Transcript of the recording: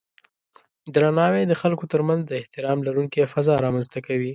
درناوی د خلکو ترمنځ د احترام لرونکی فضا رامنځته کوي.